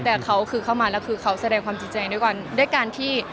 แต่เขาคือเข้ามาแล้วคือเขาแสดงความจริงใจด้วยกันด้วยการที่